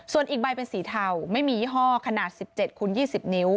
ส่วนอีกใบเป็นสีเทาไม่มียี่ห้อขนาด๑๗คูณ๒๐นิ้ว